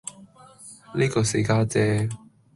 呢個四家姐